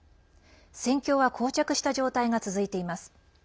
戦況は、こう着した状態が続いています。